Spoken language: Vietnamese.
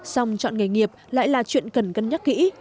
xong chọn nghề nghiệp lại là chuyện cần cân nhắc kỹ